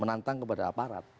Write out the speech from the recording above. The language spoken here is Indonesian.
menantang kepada aparat